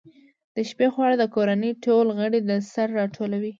د شپې خواړه د کورنۍ ټول غړي سره راټولوي.